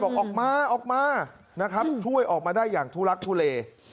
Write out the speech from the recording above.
ออกมาออกมานะครับช่วยออกมาได้อย่างทุลักทุเล